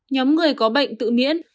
nhóm người có bệnh tự miễn